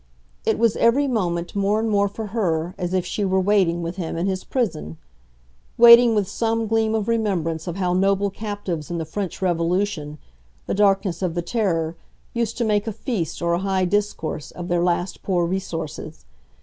It was every moment more and more for her as if she were waiting with him in his prison waiting with some gleam of remembrance of how noble captives in the French Revolution, the darkness of the Terror, used to make a feast, or a high discourse, of their last poor resources.